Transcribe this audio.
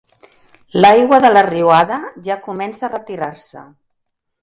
L'aigua de la riuada ja comença a retirar-se.